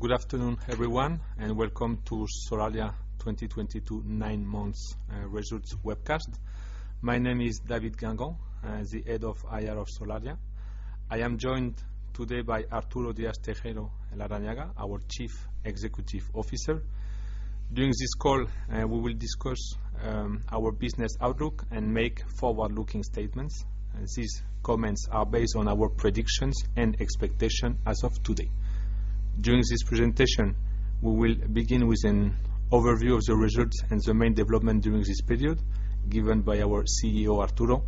Good afternoon, everyone, and welcome to Solaria 2022 Nine Months Results Webcast. My name is David Guengant. I am the head of IR of Solaria. I am joined today by Arturo Díaz-Tejeiro Larrañaga, our Chief Executive Officer. During this call, we will discuss our business outlook and make forward-looking statements. These comments are based on our predictions and expectation as of today. During this presentation, we will begin with an overview of the results and the main development during this period given by our CEO, Arturo.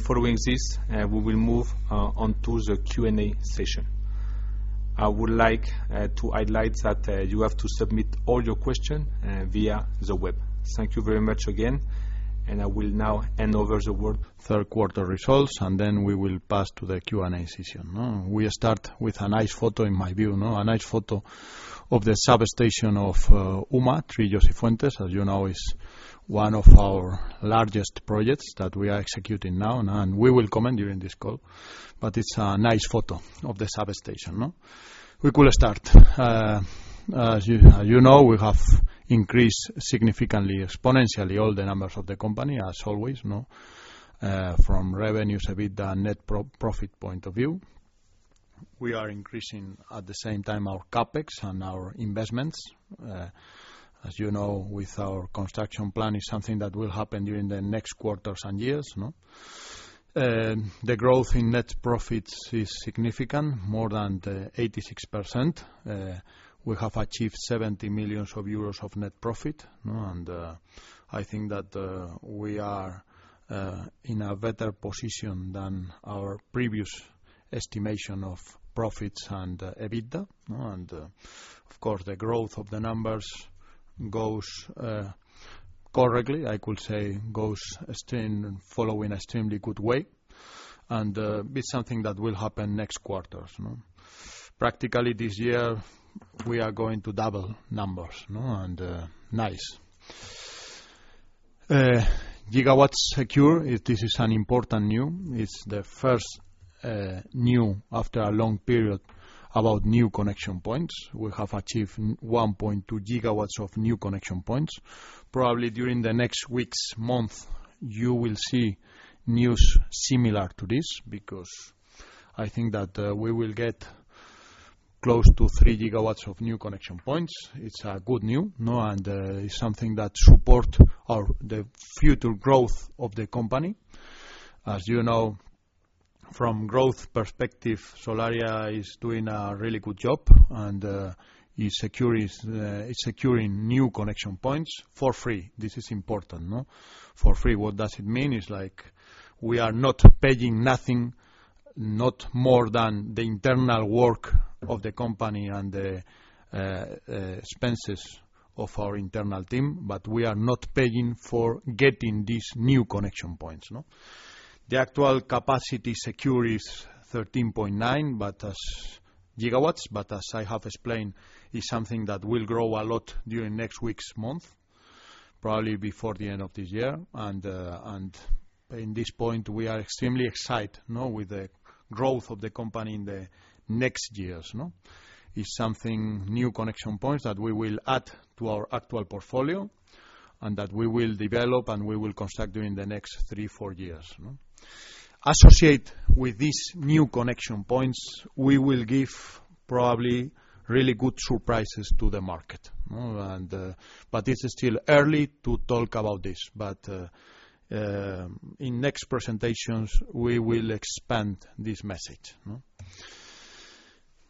Following this, we will move onto the Q&A session. I would like to highlight that you have to submit all your question via the web. Thank you very much again, and I will now hand over the word. Third quarter results, and then we will pass to the Q&A session, no? We start with a nice photo in my view, no? A nice photo of the substation of Uma 3-Jose Fuentes. As you know, it's one of our largest projects that we are executing now, and we will comment during this call, but it's a nice photo of the substation, no? We could start. As you know, we have increased significantly, exponentially, all the numbers of the company, as always, no? From Revenues, EBITDA, net profit point of view. We are increasing at the same time our CapEx and our investments. As you know, with our construction plan, it's something that will happen during the next quarters and years, no? The growth in net profits is significant, more than 86%. We have achieved 70 million euros of net profit, no? I think that we are in a better position than our previous estimation of profits and EBITDA, no? Of course, the growth of the numbers goes correctly, I could say, following an extremely good way, and it will be something that will happen next quarters, no? Practically this year, we are going to double numbers, no? Now, GW secure. This is an important news. It's the first news after a long period about new connection points. We have achieved 1.2 GW of new connection points. Probably during the next weeks, month, you will see news similar to this because I think that we will get close to 3 GW of new connection points. It's a good news, no? It's something that supports the future growth of the company. As you know, from growth perspective, Solaria is doing a really good job and is securing new connection points for free. This is important, no? For free, what does it mean? It's like we are not paying nothing, not more than the internal work of the company and the expenses of our internal team, but we are not paying for getting these new connection points, no? The actual capacity secured is 13.9 GW, but as I have explained, it's something that will grow a lot during next weeks, month, probably before the end of this year. In this point, we are extremely excited, no, with the growth of the company in the next years, no? It's something, new connection points, that we will add to our actual portfolio and that we will develop and we will construct during the next three to four years, no? Associated with these new connection points, we will give probably really good surprises to the market, no? It's still early to talk about this. In next presentations, we will expand this message, no?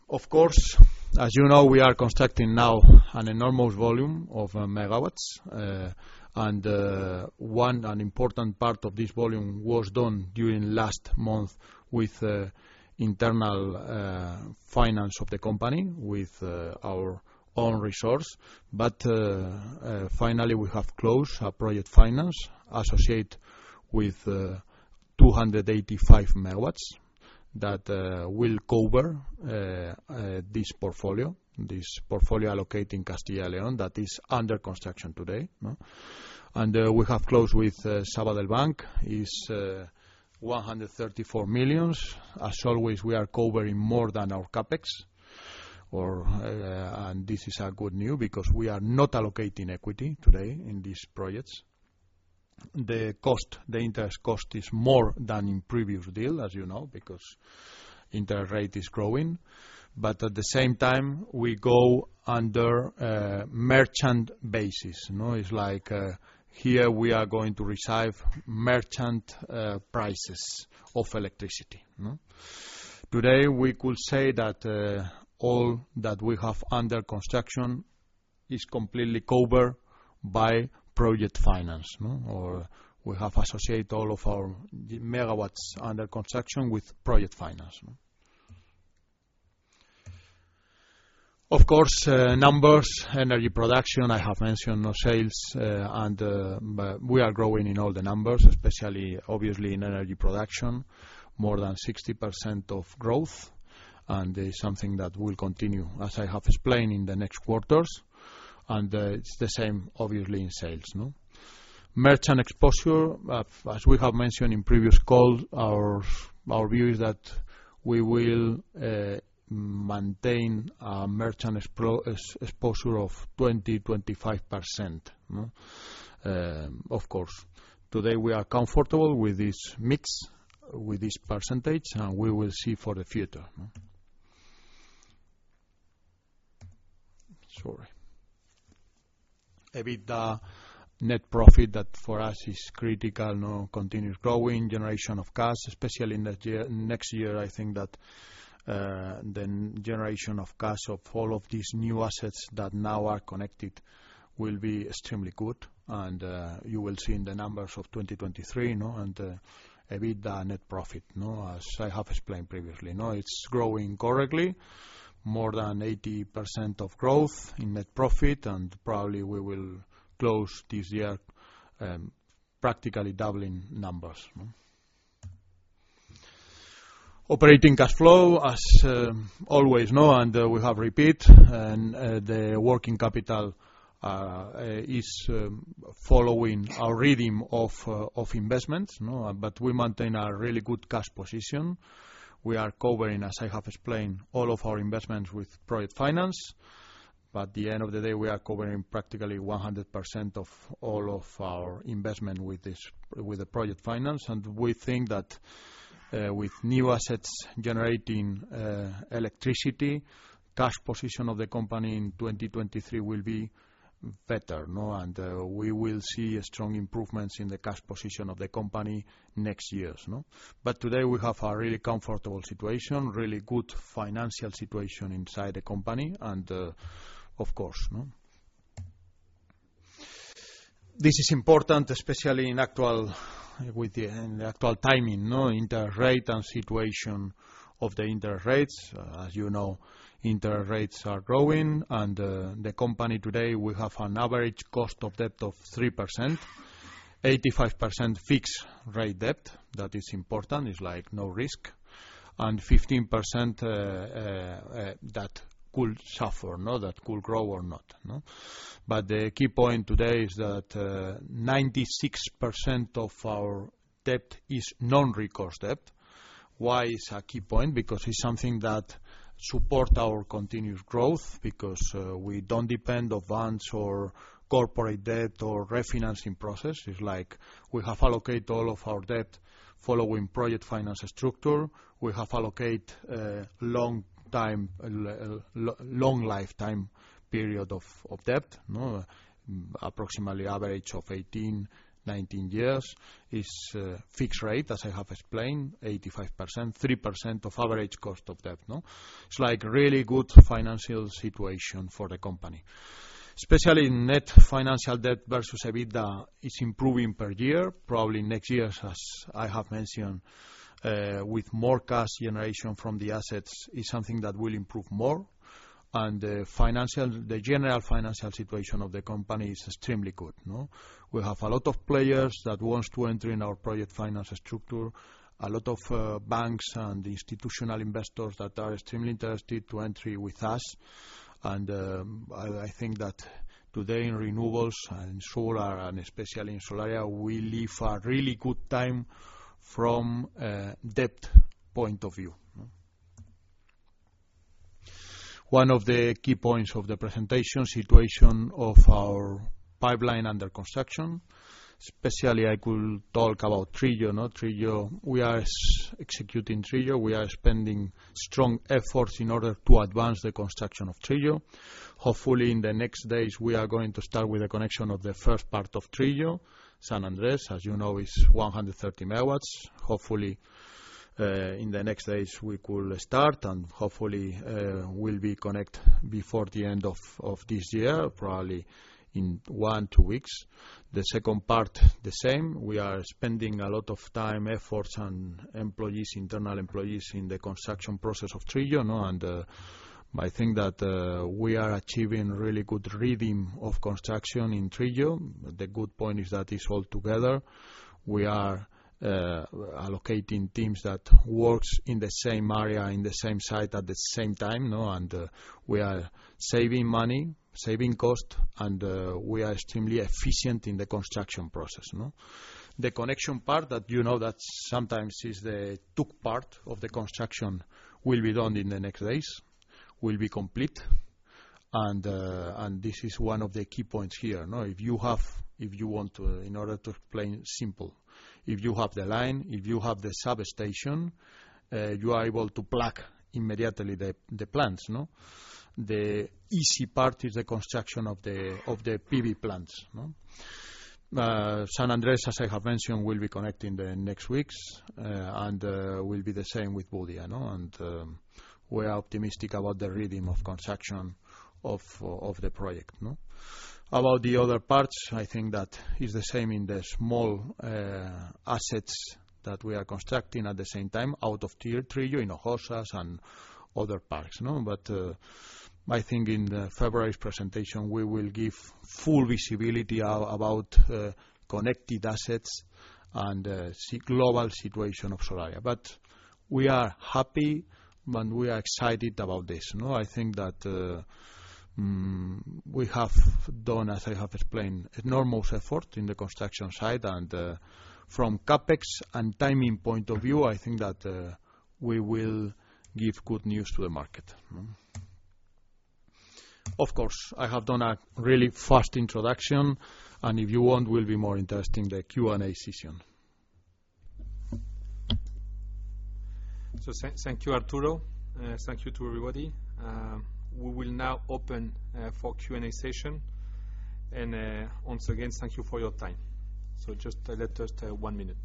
Of course, as you know, we are constructing now an enormous volume of MW. An important part of this volume was done during last month with internal finance of the company with our own resource. Finally, we have closed a Project Finance associated with 285 MW that will cover this portfolio located in Castilla y León that is under construction today, no? We have closed with Banco de Sabadell. It's 134 million. As always, we are covering more than our CapEx, and this is good news because we are not allocating equity today in these projects. The cost, the interest cost is more than in previous deal, as you know, because interest rate is growing. At the same time, we go under merchant basis, no? It's like, here we are going to receive merchant prices of electricity, no? Today, we could say that all that we have under construction is completely covered by Project Finance, no? Or we have associated all of our MW under construction with Project Finance, no? Of course, numbers, energy production, I have mentioned our sales, and, but we are growing in all the numbers, especially obviously in energy production, more than 60% of growth. It's something that will continue, as I have explained, in the next quarters. It's the same obviously in sales, no? Merchant exposure. As we have mentioned in previous calls, our view is that we will maintain a merchant exposure of 25%, no? Of course, today we are comfortable with this mix, with this percentage, and we will see for the future, no? Sorry. EBITDA net profit, that for us is critical, no, continued growing generation of cash, especially in that year, next year, I think that the generation of cash of all of these new assets that now are connected will be extremely good. You will see in the numbers of 2023, EBITDA net profit. As I have explained previously, it's growing correctly, more than 80% of growth in net profit, and probably we will close this year, practically doubling numbers. Operating cash flow as always, and we have repeat and the Working Capital is following our rhythm of investment. We maintain a really good cash position. We are covering, as I have explained, all of our investments with Project Finance. At the end of the day, we are covering practically 100% of all of our investment with this, with the Project Finance. We think that with new assets generating electricity, cash position of the company in 2023 will be better. We will see strong improvements in the cash position of the company next years, no? Today, we have a really comfortable situation, really good financial situation inside the company and, of course, no? This is important, especially in the actual timing, no, interest rate and situation of the interest rates. As you know, interest rates are growing and, the company today, we have an average cost of debt of 3%, 85% fixed rate debt. That is important, is like no risk. 15%, that could suffer, no, that could grow or not, no? The key point today is that, 96% of our debt is non-recourse debt. Why it's a key point? Because it's something that support our continuous growth because, we don't depend on banks or corporate debt or refinancing process. It's like we have allocate all of our debt following Project Finance structure. We have allocate long lifetime period of debt, no? Approximately average of 18-19 years is fixed rate, as I have explained, 85%, 3% average cost of debt, no? It's like really good financial situation for the company. Especially net financial debt versus EBITDA is improving per year. Probably next year, as I have mentioned, with more cash generation from the assets is something that will improve more. The financial, the general financial situation of the company is extremely good, no? We have a lot of players that wants to enter in our Project Finance structure, a lot of banks and institutional investors that are extremely interested to enter with us. I think that today in renewables and solar and especially in Solaria, we live a really good time from debt point of view. One of the key points of the presentation, situation of our pipeline under construction. Especially I could talk about Trillo. We are executing Trillo. We are spending strong efforts in order to advance the construction of Trillo. Hopefully, in the next days, we are going to start with the connection of the first part of Trillo, San Andrés, as you know, is 130 MW. Hopefully, in the next days, we could start, and hopefully, will be connected before the end of this year, probably in one, two weeks. The second part, the same. We are spending a lot of time, efforts, and employees, internal employees in the construction process of Trillo, no? I think that we are achieving really good rhythm of construction in Trillo. The good point is that it's all together. We are allocating teams that works in the same area, in the same site at the same time, no? We are saving money, saving cost, and we are extremely efficient in the construction process, no? The connection part that you know that sometimes is the tough part of the construction will be done in the next days, will be complete. This is one of the key points here, no? If you want to explain simple, if you have the line, if you have the substation, you are able to plug immediately the plants, no? The easy part is the construction of the PV plants, no? San Andrés, as I have mentioned, will be connecting the next weeks, and will be the same with Budía, no? We are optimistic about the rhythm of construction of the project, no? About the other parts, I think that is the same in the small assets that we are constructing at the same time out of Cifuentes-Trillo, in Hozas and other parts, no? I think in the February's presentation, we will give full visibility about connected assets and global situation of Solaria. We are happy, and we are excited about this, no? I think that we have done, as I have explained, enormous effort in the construction side and from CapEx and timing point of view, I think that we will give good news to the market. Of course, I have done a really fast introduction and if you want, will be more interesting, the Q&A session. Thank you, Arturo. Thank you to everybody. We will now open for Q&A session. Once again, thank you for your time. Just let us one minute.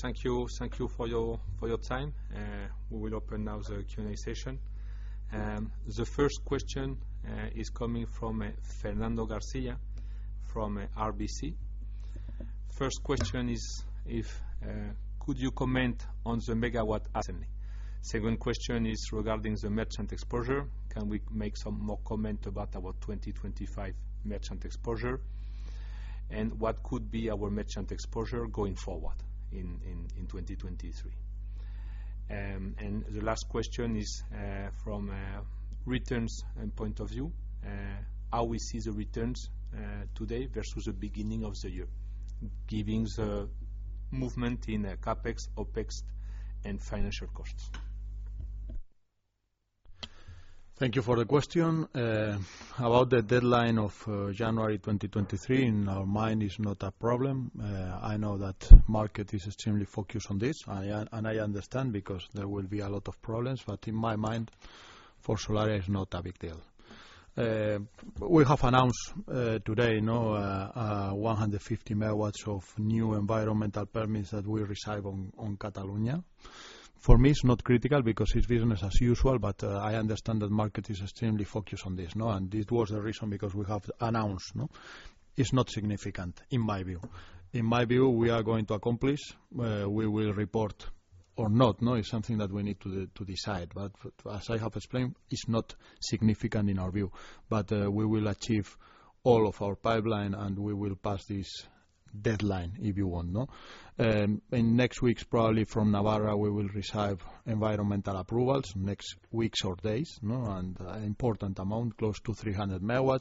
Thank you for your time. We will open now the Q&A session. The first question is coming from Fernando García from RBC. First question is if you could comment on the MW assembly. Second question is regarding the merchant exposure. Can we make some more comment about our 2025 merchant exposure? And what could be our merchant exposure going forward in 2023? The last question is from a returns point of view, how we see the returns today versus the beginning of the year, giving the movement in the CapEx, OpEx and financial costs. Thank you for the question. About the deadline of January 2023, in our mind it's not a problem. I know that market is extremely focused on this. I understand because there will be a lot of problems, but in my mind, for Solaria it's not a big deal. We have announced today, you know, 150 MW of new environmental permits that we receive on Catalonia. For me, it's not critical because it's business as usual, but I understand that market is extremely focused on this, no? This was the reason because we have announced, no? It's not significant, in my view. In my view, we are going to accomplish, we will report or not, no? It's something that we need to decide. As I have explained, it's not significant in our view. We will achieve all of our pipeline, and we will pass this deadline, if you want, no? In next weeks, probably from Navarra, we will receive environmental approvals, next weeks or days, no? And important amount, close to 300 MW.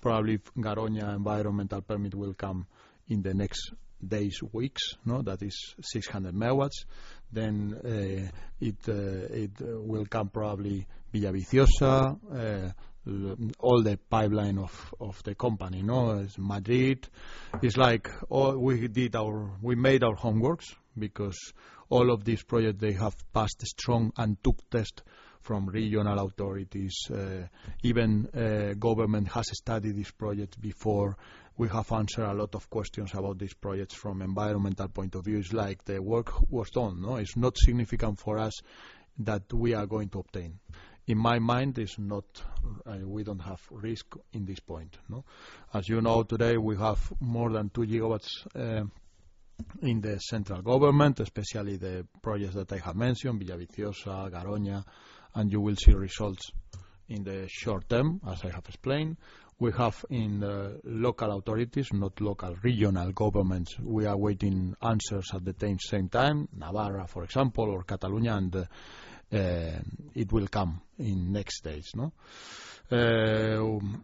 Probably Garoña environmental permit will come in the next days, weeks, no? That is 600 MW. Then, it will come probably Villaviciosa, all the pipeline of the company, no? It's Madrid. It's like all we did our—we made our homeworks because all of these projects, they have passed strong and tough test from regional authorities. Even government has studied these projects before. We have answered a lot of questions about these projects from environmental point of view. It's like the work was done, no? It's not significant for us that we are going to obtain. In my mind, it's not, we don't have risk in this point, no? As you know, today we have more than 2 GW in the central government, especially the projects that I have mentioned, Villaviciosa, Garoña, and you will see results in the short term, as I have explained. We have in the local authorities, not local, regional governments, we are waiting answers at the same time, Navarra, for example, or Catalonia, and it will come in next days, no?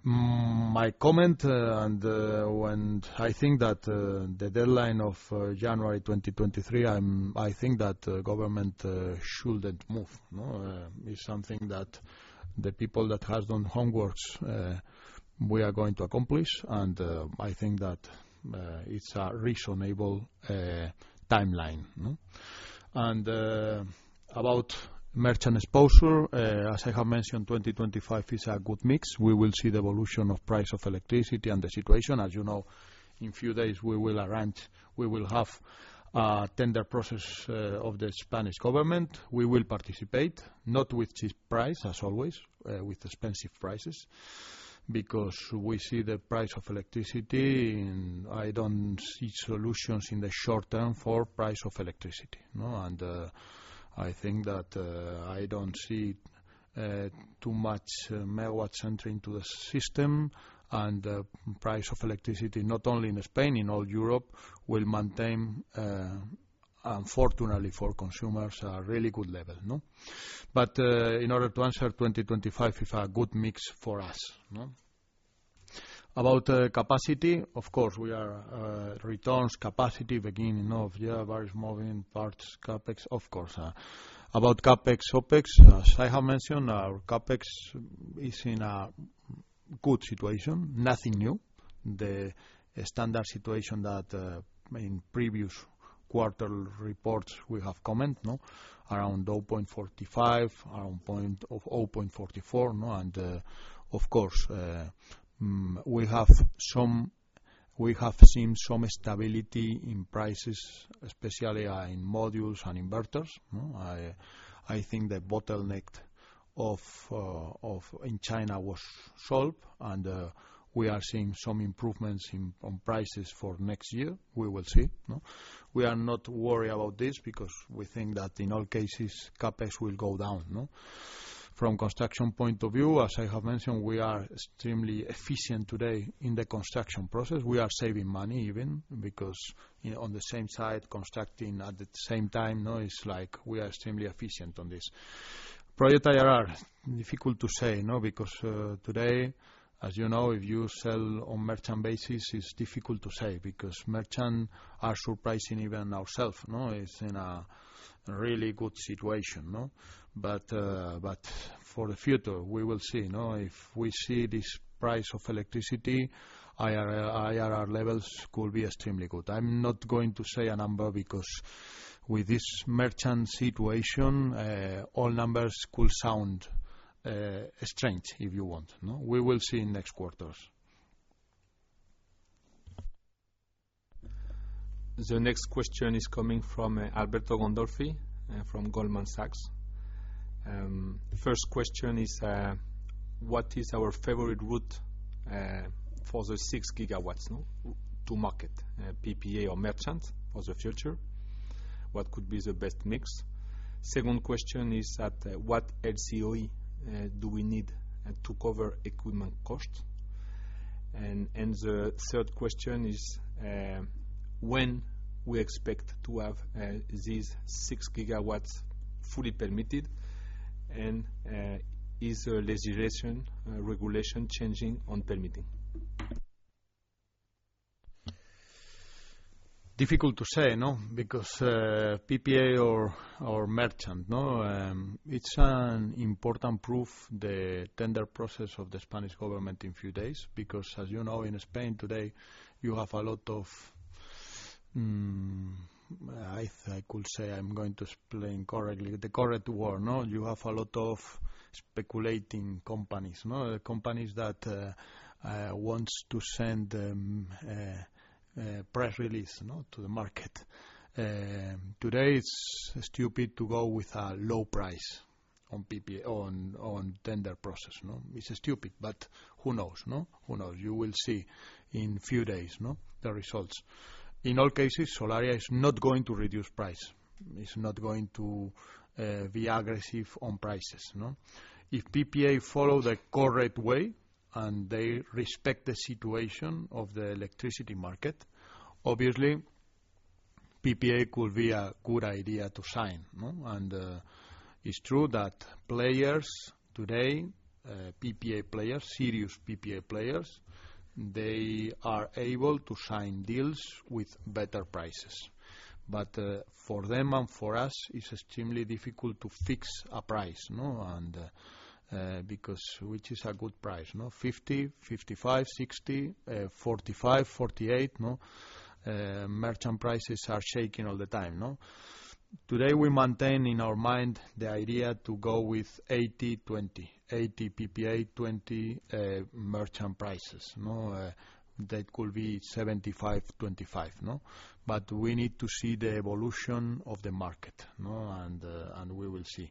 My comment, and I think that the deadline of January 2023, I think that government shouldn't move, no? It's something that the people that has done homework, we are going to accomplish. I think that it's a reasonable timeline, no? About merchant exposure, as I have mentioned, 2025 is a good mix. We will see the evolution of price of electricity and the situation. As you know, in few days, we will have a tender process of the Spanish government. We will participate, not with cheap price as always, with expensive prices. Because we see the price of electricity, and I don't see solutions in the short term for price of electricity, no? I think that I don't see too much MW entering to the system and the price of electricity, not only in Spain, in all Europe, will maintain, unfortunately for consumers, a really good level, no? In order to answer, 2025 is a good mix for us, no? About capacity, of course, we are returns capacity, beginning of year, various moving parts, CapEx, of course. About CapEx, OpEx, as I have mentioned, our CapEx is in a good situation, nothing new. The standard situation that in previous quarter reports we have commented, no? Around 0.45, around 0.44, no? Of course, we have seen some stability in prices, especially in modules and inverters, no? I think the bottleneck in China was solved and we are seeing some improvements in prices for next year. We will see, no? We are not worried about this because we think that in all cases, CapEx will go down, no? From construction point of view, as I have mentioned, we are extremely efficient today in the construction process. We are saving money even because, you know, on the same site, constructing at the same time, no, it's like we are extremely efficient on this. Project IRR, difficult to say, no? Today, as you know, if you sell on merchant basis, it's difficult to say, because merchants are surprising even ourselves, no? It's in a really good situation, no? For the future, we will see, no? If we see this price of electricity, IRR levels could be extremely good. I'm not going to say a number because with this merchant situation, all numbers could sound strange if you want, no? We will see in next quarters. The next question is coming from Alberto Gandolfi from Goldman Sachs. First question is what is our favorite route for the 6 GW to market PPA or merchant for the future? What could be the best mix? Second question is that what LCOE do we need to cover equipment cost? The third question is when we expect to have these 6 GW fully permitted and is the legislation regulation changing on permitting? Difficult to say, no? Because, PPA or merchant, no, it's an important proof, the tender process of the Spanish government in few days, because as you know, in Spain today, you have a lot of, I could say I'm going to explain correctly, the correct word, no? You have a lot of speculating companies, no? Companies that wants to send a press release, no, to the market. Today it's stupid to go with a low price on PP- on tender process, no? It's stupid, but who knows, no? Who knows? You will see in few days, no, the results. In all cases, Solaria is not going to reduce price. It's not going to be aggressive on prices, no? If PPA follows a correct way and they respect the situation of the electricity market, obviously PPA could be a good idea to sign, no? It's true that players today, PPA players, serious PPA players, they are able to sign deals with better prices. For them and for us, it's extremely difficult to fix a price, no? Because which is a good price, no? 50, 55, 60, 45, 48, no? Merchant prices are shaking all the time, no? Today, we maintain in our mind the idea to go with 80/20, 80 PPA, 20 merchant prices, no? That could be 75/25, no? We need to see the evolution of the market, no? We will see.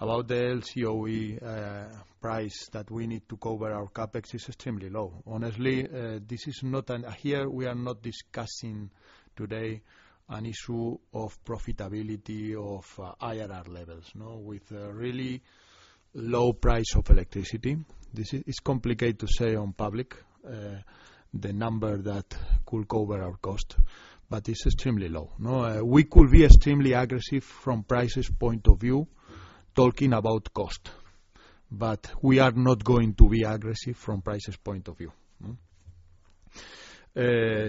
About the LCOE, price that we need to cover our CapEx is extremely low. Honestly, this is not an. Here, we are not discussing today an issue of profitability of IRR levels, no? With a really low price of electricity, this is, it's complicated to say in public the number that could cover our cost, but it's extremely low, no? We could be extremely aggressive from price point of view, talking about cost, but we are not going to be aggressive from price point of view, no?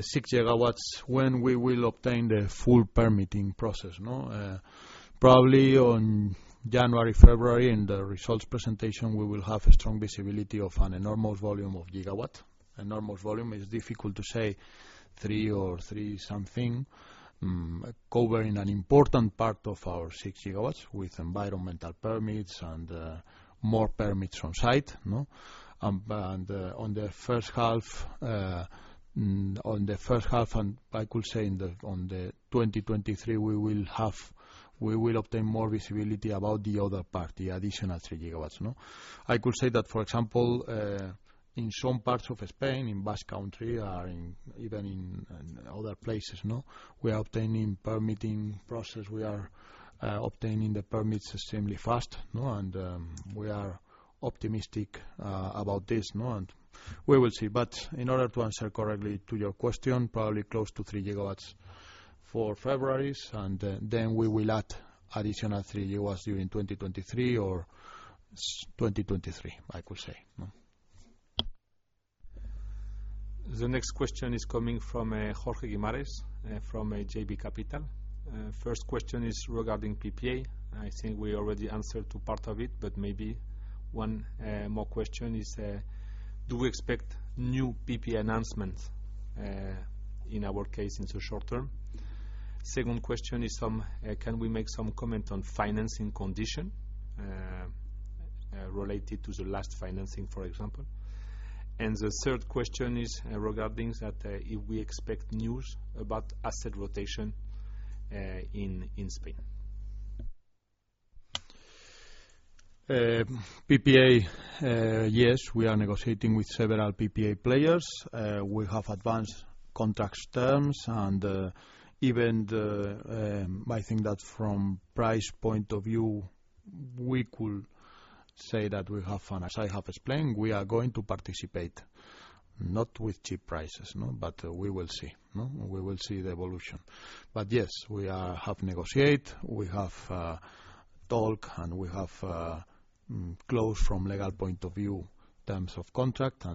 6 GW, when we will obtain the full permitting process, no? Probably on January, February, in the results presentation, we will have a strong visibility of an enormous volume of GW. Enormous volume is difficult to say, 3 or 3 something, covering an important part of our 6 GW with environmental permits and more permits on site, no? On the first half, I could say in 2023 we will obtain more visibility about the other part, the additional 3 GW, no? I could say that, for example, in some parts of Spain, in Basque Country or even in other places, no. We are obtaining permitting process. We are obtaining the permits extremely fast, no? We are optimistic about this, no? We will see. In order to answer correctly to your question, probably close to 3 GW for February, and then we will add additional 3 GW during 2023, I could say. No. The next question is coming from Jorge Guimarães from JB Capital. First question is regarding PPA. I think we already answered to part of it, but maybe one more question is do we expect new PPA announcements in our case in the short term? Second question is can we make some comment on financing condition related to the last financing, for example? The third question is regarding that if we expect news about asset rotation in Spain. PPA, yes, we are negotiating with several PPA players. We have advanced contract terms and I think that from price point of view, we could say that we have, and as I have explained, we are going to participate, not with cheap prices, no, but we will see, no? We will see the evolution. Yes, we have negotiated, we have talked, and we have closed from legal point of view terms of contract.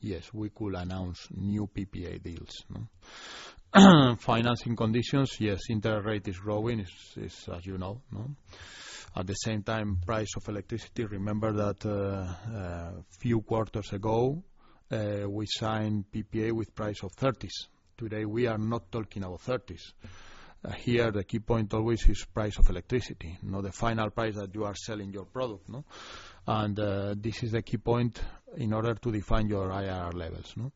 Yes, we could announce new PPA deals, no? Financing conditions, yes, interest rate is growing, it's as you know, no? At the same time, price of electricity, remember that, a few quarters ago, we signed PPA with price of thirties. Today, we are not talking about thirties. Here, the key point always is price of electricity, no? The final price that you are selling your product, no? This is a key point in order to define your IRR levels, no?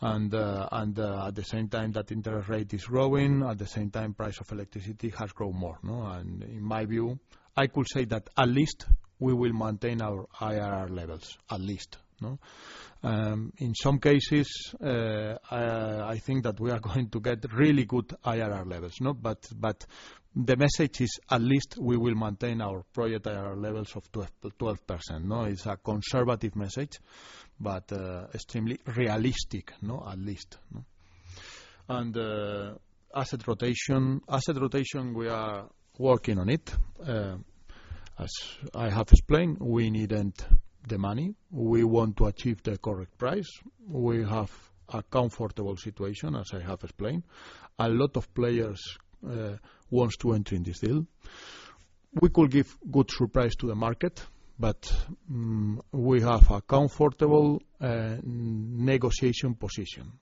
At the same time that interest rate is growing, at the same time price of electricity has grown more, no? In my view, I could say that at least we will maintain our IRR levels, at least, no? In some cases, I think that we are going to get really good IRR levels, no? The message is at least we will maintain our project IRR levels of 12%, no? It's a conservative message, but extremely realistic, no? At least, no? Asset rotation. Asset rotation, we are working on it. As I have explained, we needn't the money. We want to achieve the correct price. We have a comfortable situation, as I have explained. A lot of players wants to enter in this deal. We could give good surprise to the market, but we have a comfortable negotiation position.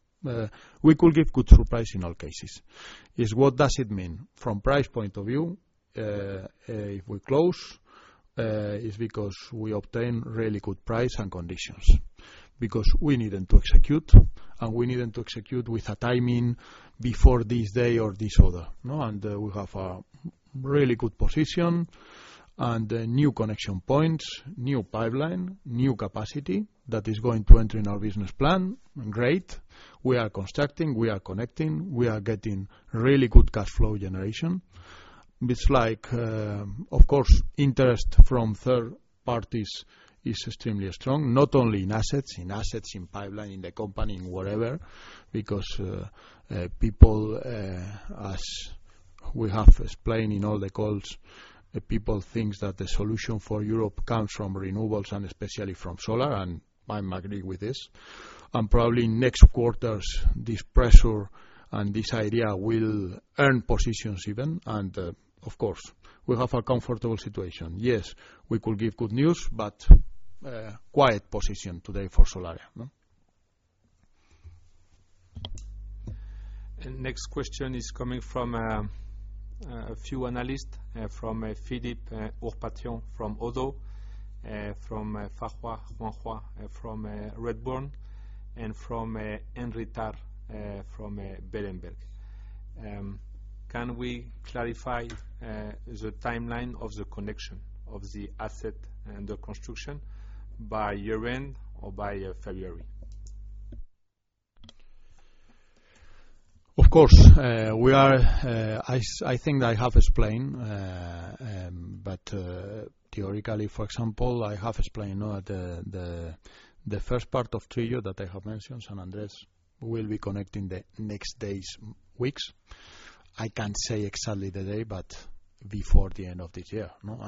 We could give good surprise in all cases. Is what does it mean? From price point of view, if we close, it's because we obtain really good price and conditions. Because we needn't to execute, and we needn't to execute with a timing before this day or this other, no? We have a really good position and new connection points, new pipeline, new capacity that is going to enter in our business plan. Great. We are constructing, we are connecting, we are getting really good cash flow generation. It's like, of course, interest from third parties is extremely strong, not only in assets, in pipeline, in the company, in whatever, because people, as we have explained in all the calls, the people thinks that the solution for Europe comes from renewables and especially from solar, and I agree with this. Probably next quarters, this pressure and this idea will earn positions even. Of course, we have a comfortable situation. Yes, we could give good news, but quiet position today for Solaria, no? The next question is coming from a few analysts from Philippe Ourpatian from Oddo BHF, from Faro Janco from Redburn, and from Andrew Fisher from Berenberg. Can we clarify the timeline of the connection of the asset under construction by year-end or by February? Of course, we are. I think I have explained, but theoretically, for example, I have explained, you know, at the first part of Trillo that I have mentioned, San Andrés, will be connecting the next days, weeks. I can't say exactly the day, but before the end of this year, no?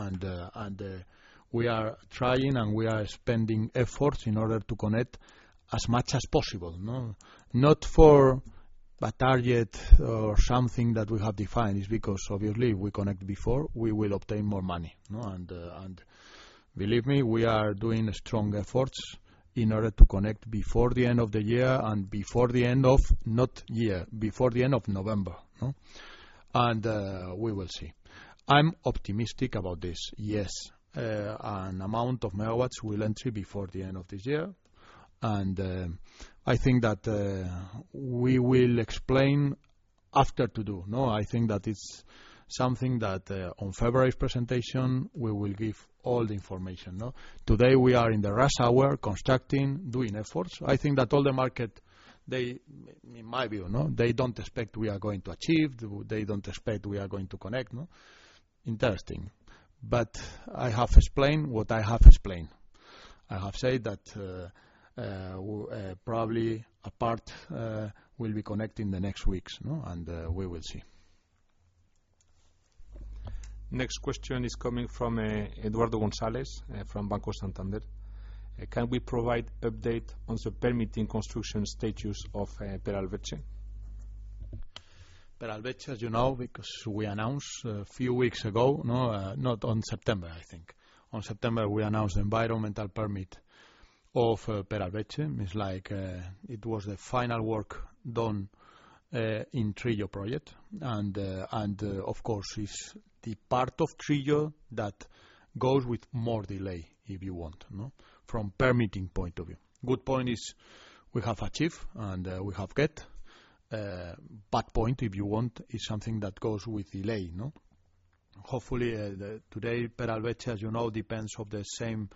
We are trying and we are spending efforts in order to connect as much as possible, no? Not for a target or something that we have defined. It's because obviously if we connect before, we will obtain more money, no? Believe me, we are doing strong efforts in order to connect before the end of the year, before the end of November. We will see. I'm optimistic about this. Yes, an amount of MW will enter before the end of this year, and I think that we will explain after to do, no? I think that it's something that on February's presentation, we will give all the information. Today we are in the rush hour constructing, doing efforts. I think that all the market in my view, no? They don't expect we are going to achieve, they don't expect we are going to connect. Interesting. I have explained what I have explained. I have said that probably a part will be connecting the next weeks, and we will see. Next question is coming from Eduardo González from Banco Santander. Can we provide update on the permitting construction status of Peralveche? Peralveche, as you know, because we announced a few weeks ago, no, not on September, I think. On September, we announced the environmental permit of Peralveche. It's like, it was the final work done in Trillo project. And of course, it's the part of Trillo that goes with more delay, if you want, no, from permitting point of view. Good point is we have achieved, and we have get. Bad point, if you want, is something that goes with delay. Hopefully, today, Peralveche, as you know, depends on the same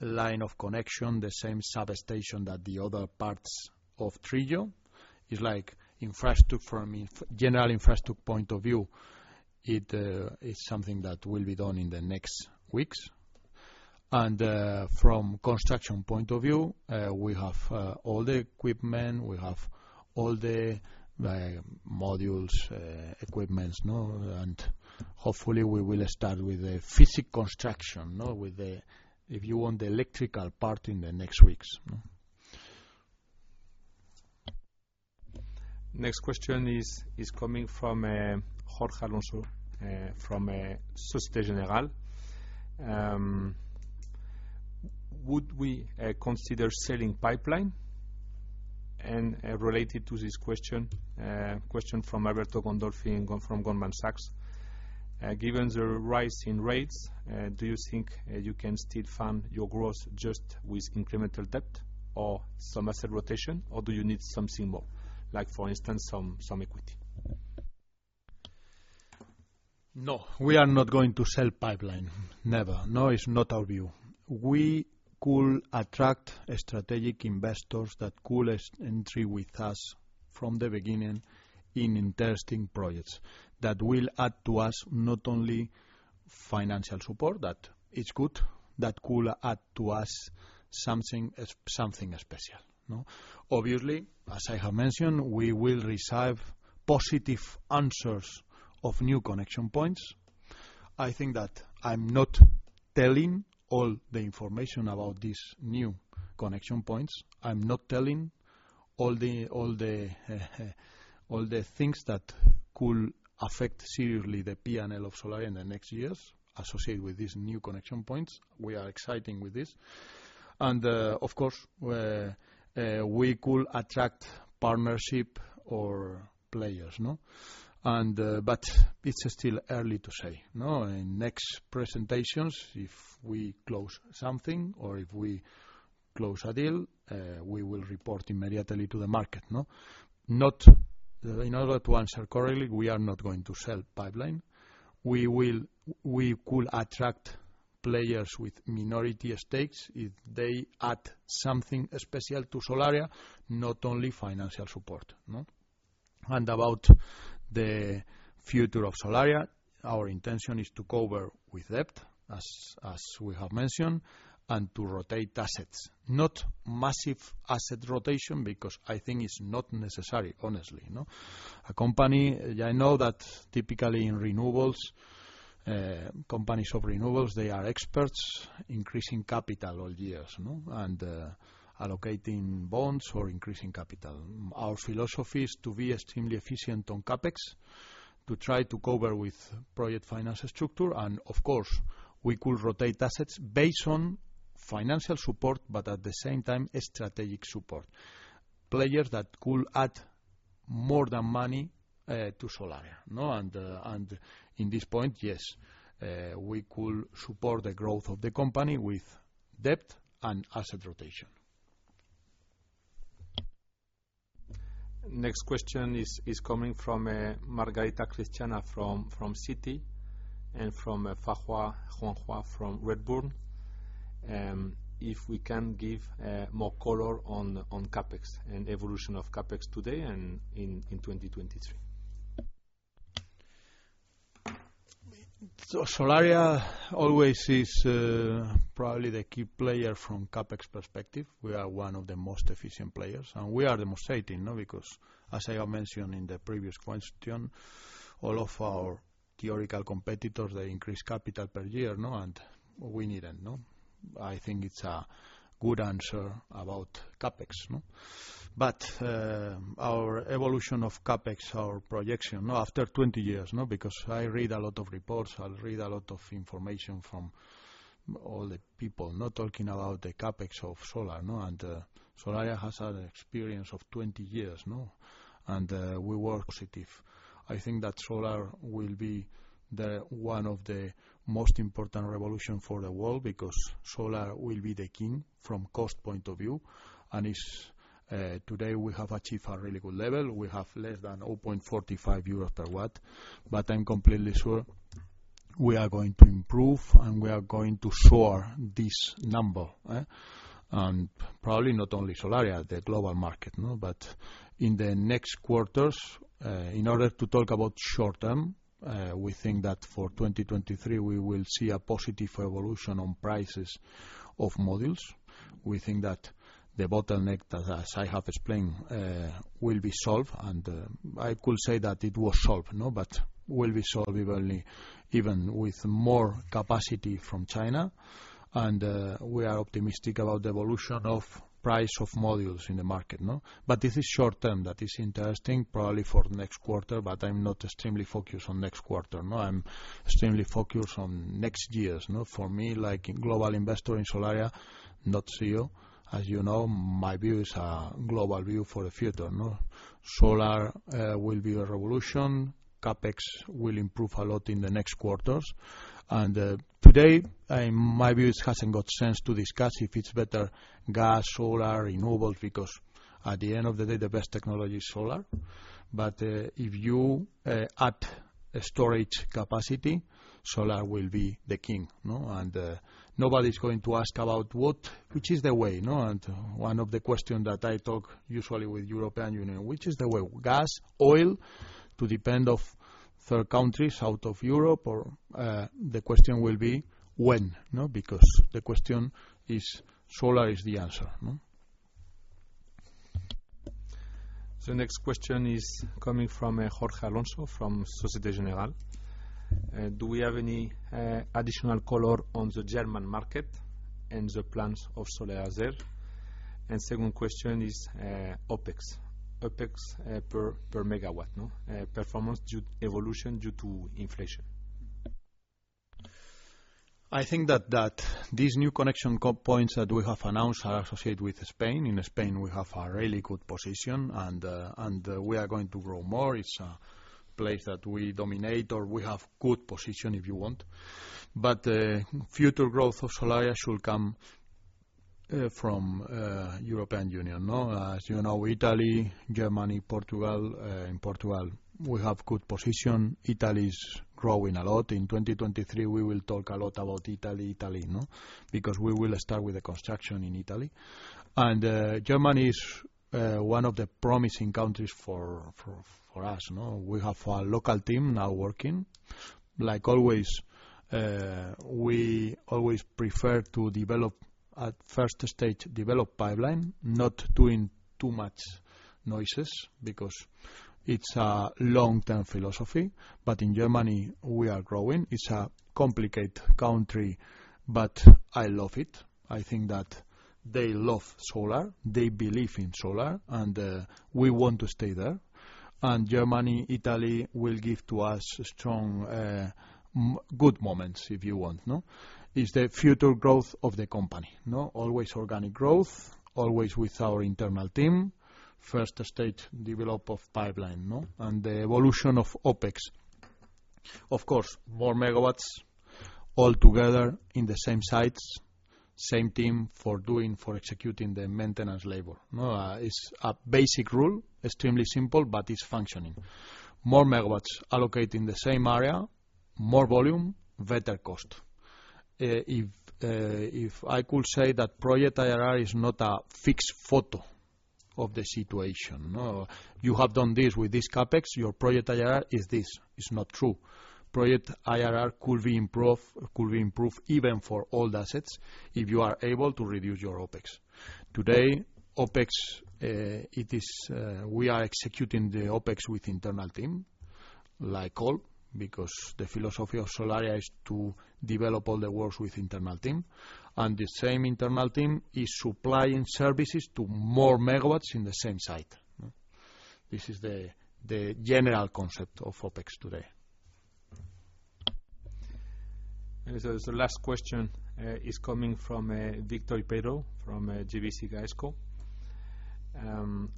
line of connection, the same substation that the other parts of Trillo. It's like from general infrastructure point of view, it's something that will be done in the next weeks. From construction point of view, we have all the equipment, we have all the modules, equipment, no? Hopefully we will start with a physical construction with the, if you want, the electrical part in the next weeks. Next question is coming from Jorge Alonso from Société Générale. Would we consider selling pipeline? Related to this question from Alberto Gandolfi from Goldman Sachs. Given the rise in rates, do you think you can still fund your growth just with incremental debt or some asset rotation, or do you need something more, like for instance, some equity? No, we are not going to sell pipeline. Never. No, it's not our view. We could attract strategic investors that could entry with us from the beginning in interesting projects that will add to us not only financial support, that is good, that could add to us something special. Obviously, as I have mentioned, we will receive positive answers of new connection points. I think that I'm not telling all the information about these new connection points. I'm not telling all the things that could affect seriously the P&L of Solaria in the next years associated with these new connection points. We are exciting with this. Of course, we could attract partnership or players, no? It's still early to say. In next presentations, if we close something or if we close a deal, we will report immediately to the market. In order to answer correctly, we are not going to sell pipeline. We could attract players with minority stakes if they add something special to Solaria, not only financial support. About the future of Solaria, our intention is to cover with debt, as we have mentioned, and to rotate assets. Not massive asset rotation, because I think it's not necessary, honestly. A company, I know that typically in renewables, renewable companies, they are experts increasing capital all years, and allocating bonds or increasing capital. Our philosophy is to be extremely efficient on CapEx, to try to cover with Project Finance structure. Of course, we could rotate assets based on financial support, but at the same time, strategic support. Players that could add more than money to Solaria. At this point, yes, we could support the growth of the company with debt and asset rotation. Next question is coming from Margherita Triscari from Citi and from Fahua Juanhua from Redburn. If we can give more color on CapEx and evolution of CapEx today and in 2023. Solaria always is probably the key player from CapEx perspective. We are one of the most efficient players, and we are demonstrating, because as I have mentioned in the previous question, all of our theoretical competitors, they increase capital per year, and we needn't, no? I think it's a good answer about CapEx, no? Our evolution of CapEx, our projection, no, after 20 years, no, because I read a lot of reports, I read a lot of information from all the people, no, talking about the CapEx of solar, no. Solaria has an experience of 20 years, no? We work positive. I think that solar will be the one of the most important revolution for the world because solar will be the king from cost point of view. It's today we have achieved a really good level. We have less than 0.45 euros per watt. I'm completely sure we are going to improve, and we are going to soar this number, and probably not only Solaria, the global market, no. In the next quarters, in order to talk about short-term, we think that for 2023, we will see a positive evolution on prices of modules. We think that the bottleneck, as I have explained, will be solved. I could say that it was solved, no, but will be solved evenly even with more capacity from China. We are optimistic about the evolution of price of modules in the market, no. This is short-term that is interesting probably for next quarter, but I'm not extremely focused on next quarter, no. I'm extremely focused on next years, no. For me, like global investor in Solaria, not CEO, as you know, my view is a global view for the future, no. Solar will be a revolution. CapEx will improve a lot in the next quarters. Today, my view, it hasn't got sense to discuss if it's better gas, solar, renewables, because at the end of the day, the best technology is solar. If you add storage capacity, solar will be the king. No? Nobody's going to ask about which is the way, no. One of the questions that I talk usually with European Union, which is the way, gas, oil, to depend of third countries out of Europe or, the question will be when, no? Because the question is solar is the answer. No? The next question is coming from Jorge Alonso from Société Générale. Do we have any additional color on the German market and the plans of Solaria there? Second question is OpEx per megawatt performance evolution due to inflation. I think that these new connection points that we have announced are associated with Spain. In Spain, we have a really good position, and we are going to grow more. It's a place that we dominate, or we have good position, if you want. Future growth of Solaria should come from European Union. As you know, Italy, Germany, Portugal. In Portugal, we have good position. Italy is growing a lot. In 2023, we will talk a lot about Italy, no, because we will start with the construction in Italy. Germany is one of the promising countries for us. No? We have a local team now working. Like always, we always prefer to develop at first stage, develop pipeline, not doing too much noise because it's a long-term philosophy. In Germany, we are growing. It's a complicated country, but I love it. I think that they love solar, they believe in solar, and we want to stay there. And Germany, Italy will give to us strong, good moments, if you want. No? It's the future growth of the company. No? Always organic growth, always with our internal team. First stage development of pipeline. No? And the evolution of OpEx. Of course, more MW all together in the same sites, same team for doing, for executing the maintenance labor. No? It's a basic rule, extremely simple, but it's functioning. More MW allocated in the same area, more volume, better cost. If I could say that project IRR is not a fixed photo of the situation. No. You have done this with this CapEx. Your project IRR is this. It's not true. Project IRR could be improved even for old assets if you are able to reduce your OpEx. Today, OpEx, it is, we are executing the OpEx with internal team, like all, because the philosophy of Solaria is to develop all the works with internal team, and the same internal team is supplying services to more MW in the same site. No? This is the general concept of OpEx today. The last question is coming from Víctor Peiro from GVC Gaesco.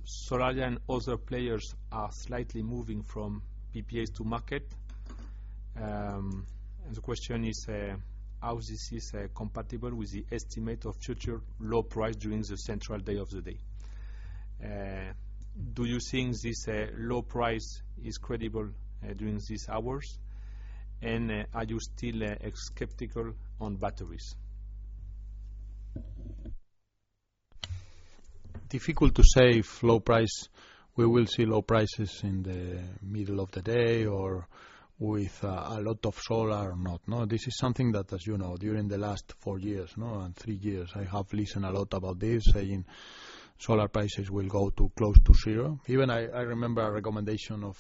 Solaria and other players are slightly moving from PPAs to market. The question is, how this is compatible with the estimate of future low price during the central hours of the day? Do you think this low price is credible during these hours? Are you still skeptical on batteries? Difficult to say if low price, we will see low prices in the middle of the day or with a lot of solar or not. No, this is something that, as you know, during the last four years and three years, I have listened a lot about this, saying solar prices will go close to zero. Even I remember a recommendation of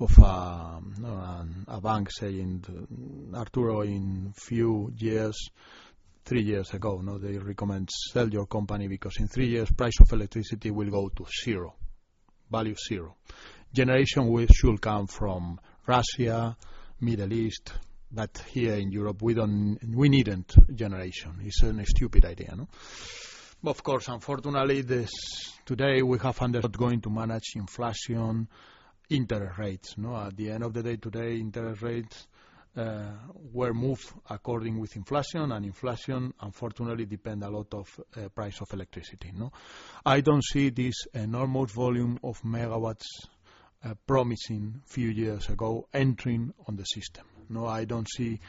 a bank saying, "Arturo, in a few years," three years ago, they recommend, "Sell your company because in three years, price of electricity will go to zero value." Generation which should come from Russia, Middle East, but here in Europe, we don't. We needn't generation. It's a stupid idea, no? Of course, unfortunately, today we have understood going to manage inflation and interest rates, no? At the end of the day, today, interest rates were moved according with inflation, and inflation, unfortunately, depend a lot of price of electricity, no? I don't see this enormous volume of MW promising few years ago entering on the system. No, I don't see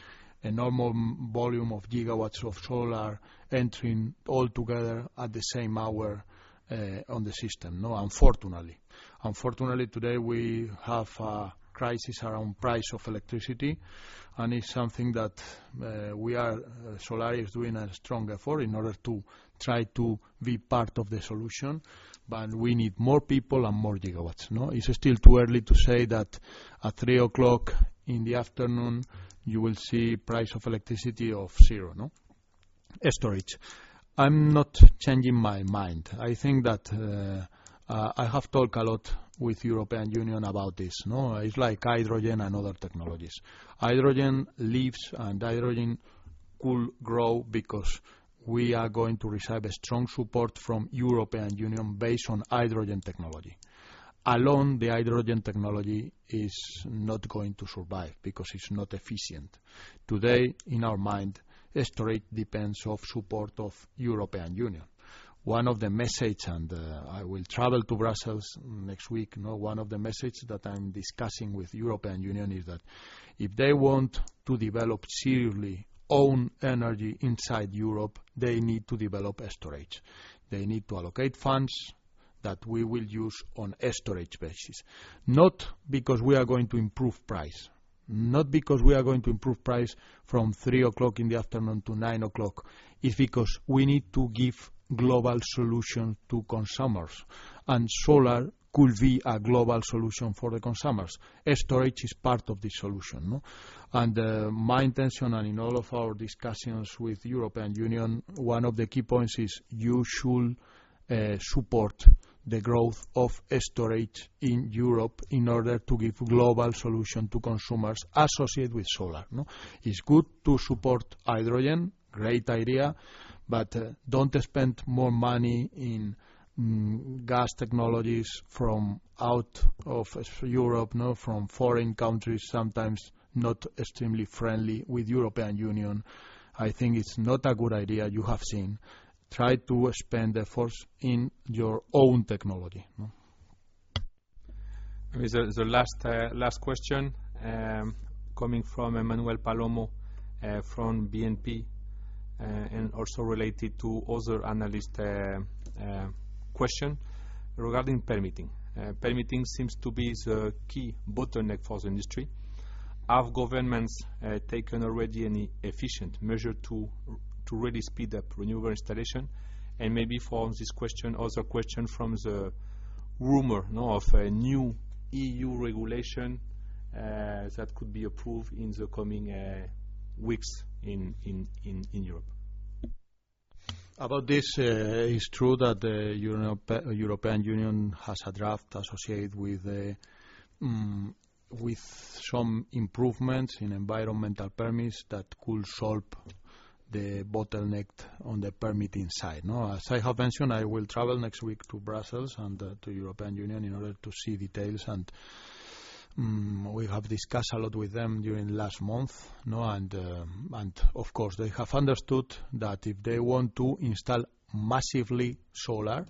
a normal volume of GW of solar entering all together at the same hour on the system. No, unfortunately. Unfortunately, today we have a crisis around price of electricity, and it's something that Solaria is doing a strong effort in order to try to be part of the solution, but we need more people and more GW, no? It's still too early to say that at 3:00 P.M., you will see price of electricity of zero, no? Storage. I'm not changing my mind. I think that I have talked a lot with European Union about this, no? It's like hydrogen and other technologies. Hydrogen lives and hydrogen could grow because we are going to receive a strong support from European Union based on hydrogen technology. Alone, the hydrogen technology is not going to survive because it's not efficient. Today, in our mind, storage depends on support of European Union. One of the message, and I will travel to Brussels next week, no? One of the message that I'm discussing with European Union is that if they want to develop seriously their own energy inside Europe, they need to develop storage. They need to allocate funds that we will use on a storage basis, not because we are going to improve price, not because we are going to improve price from 3:00 P.M. to 9:00 P.M. It's because we need to give global solution to consumers, and solar could be a global solution for the consumers. Storage is part of the solution, no? And my intention, and in all of our discussions with European Union, one of the key points is you should support the growth of storage in Europe in order to give global solution to consumers associated with solar, no? It's good to support hydrogen, great idea, but don't spend more money in gas technologies from out of Europe, no, from foreign countries, sometimes not extremely friendly with European Union. I think it's not a good idea. You have seen. Try to spend efforts in your own technology, no? The last question coming from Manuel Palomo from BNP and also related to other analyst question regarding permitting. Permitting seems to be the key bottleneck for the industry. Have governments taken already any efficient measure to really speed up renewable installation? Maybe following this question, also question of a new EU regulation that could be approved in the coming weeks in Europe. About this, it's true that the European Union has a draft associated with some improvements in environmental permits that could solve the bottleneck on the permitting side, no? As I have mentioned, I will travel next week to Brussels and to European Union in order to see details. We have discussed a lot with them during last month, no? Of course, they have understood that if they want to install massively solar,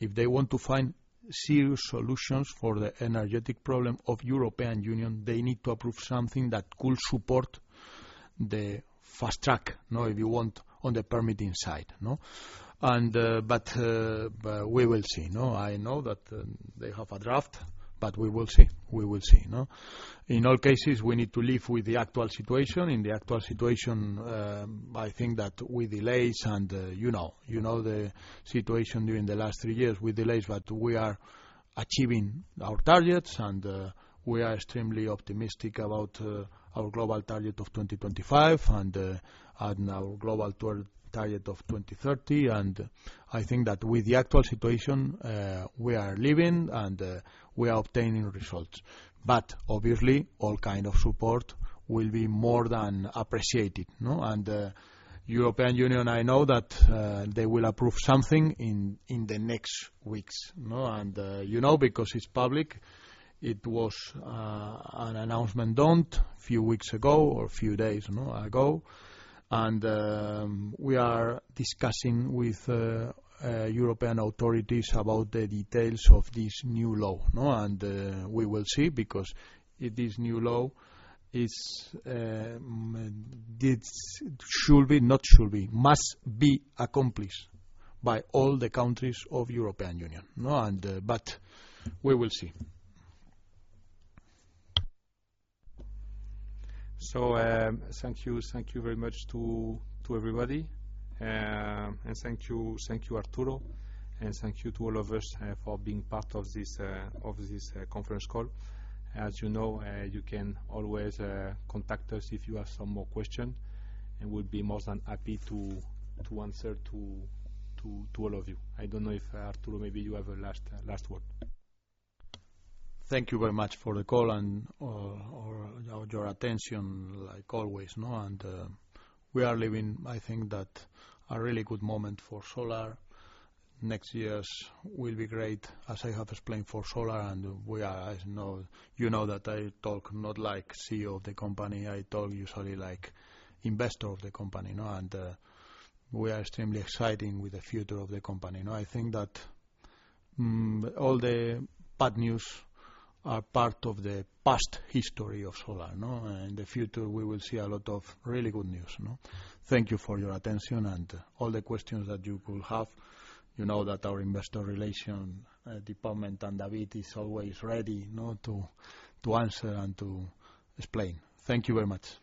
if they want to find serious solutions for the energy problem of European Union, they need to approve something that could support the fast track, no, if you want, on the permitting side, no? We will see, no? I know that they have a draft, but we will see. We will see, no? In all cases, we need to live with the actual situation. In the actual situation, I think that with delays and. The situation during the last three years with delays, but we are achieving our targets, and we are extremely optimistic about our global target of 2025 and our global target of 2030. I think that with the actual situation, we are living and we are obtaining results. Obviously, all kind of support will be more than appreciated, no? European Union, I know that they will approve something in the next weeks, no? Because it's public, it was an announcement done a few weeks ago or a few days ago. We are discussing with European authorities about the details of this new law, no? We will see because if this new law must be accomplished by all the countries of European Union, no? We will see. Thank you. Thank you very much to everybody. Thank you, Arturo, and thank you to all of us for being part of this conference call. As you know, you can always contact us if you have some more question, and we'll be more than happy to answer to all of you. I don't know if Arturo, maybe you have a last word. Thank you very much for the call and, or your attention like always, no? We are living, I think that, a really good moment for solar. Next years will be great, as I have explained, for solar. We are, as you know, you know that I talk not like CEO of the company, I talk usually like investor of the company, no? We are extremely exciting with the future of the company, no? I think that, all the bad news are part of the past history of solar, no? In the future, we will see a lot of really good news, no? Thank you for your attention and all the questions that you could have. You know that our investor relation department and David is always ready, no, to answer and to explain. Thank you very much.